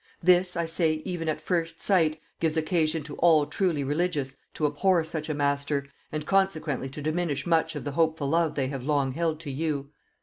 This, I say, even at first sight, gives occasion to all truly religious to abhor such a master, and consequently to diminish much of the hopeful love they have long held to you."